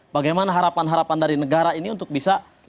bagaimana harapan harapan dari negara ini untuk bisa